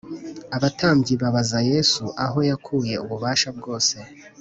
Abatambyi babaza Yesu aho yakuye ububasha bwose